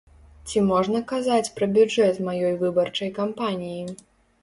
Ці можна казаць пра бюджэт маёй выбарчай кампаніі?